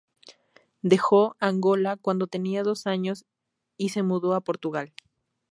Dejó Angola cuando tenía dos años y se mudó a Portugal.